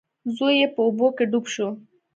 زوی یې په اوبو کې ډوب شو.